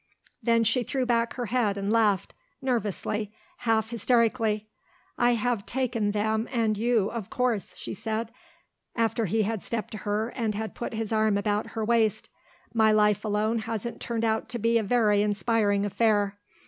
Then she threw back her head and laughed, nervously, half hysterically. "I have taken them and you, of course," she said, after he had stepped to her and had put his arm about her waist. "My life alone hasn't turned out to be a very inspiring affair.